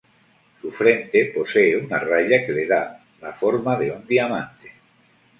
Su frente posee una raya que le da la forma de un diamante.